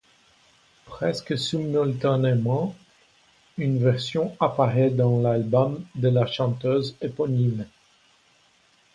Presque simultanément, une version apparait dans l'album de la chanteuse éponyme.